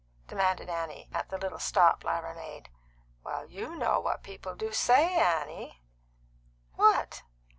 demanded Annie, at the little stop Lyra made. "Well, you know what people do say, Annie." "What?"